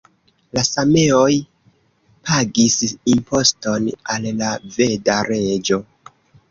La sameoj pagis imposton al la veda reĝo.